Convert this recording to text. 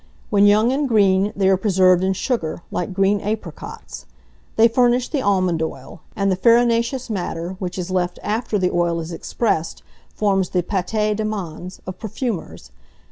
When young and green, they are preserved in sugar, like green apricots. They furnish the almond oil; and the farinaceous matter which is left after the oil is expressed, forms the pâte d'amandes of perfumers.